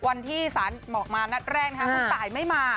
วันที่สารบอกมานัดแรกคุณตายไม่มา